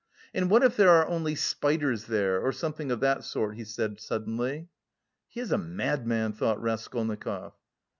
"And what if there are only spiders there, or something of that sort," he said suddenly. "He is a madman," thought Raskolnikov.